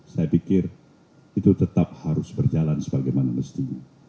saya pikir itu tetap harus berjalan sebagaimana mestinya